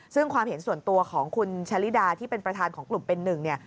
ซึ่งความเห็นส่วนตัวของคุณชะลิดาที่เป็นประธานของกลุ่มเป็นหนึ่งเนี่ย